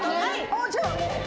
あっじゃああれ？